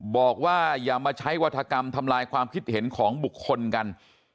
บอกว่าอย่ามาใช้วัฒกรรมทำลายความคิดเห็นของบุคคลกัน